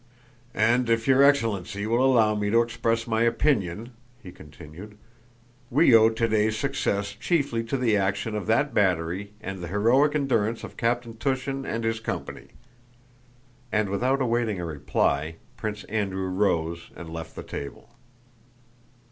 "And, if your excellency will allow me to express my opinion," he continued, "we owe today's success chiefly to the action of that battery and the heroic endurance of Captain Túshin and his company," and without awaiting a reply, Prince Andrew rose and left the table.